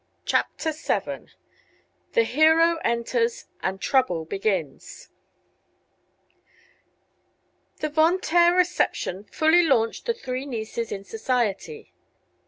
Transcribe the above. CHAPTER VII THE HERO ENTERS AND TROUBLE BEGINS The Von Taer reception fully launched the three nieces in society.